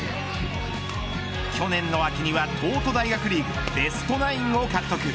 去年の秋には東都大学リーグベストナインを獲得。